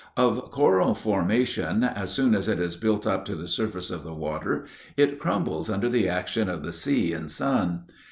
Of coral formation, as soon as it is built up to the surface of the water it crumbles under the action of the sea and sun.